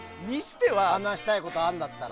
話したいことがあるんだったら。